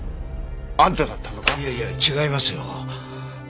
いやいや違いますよ。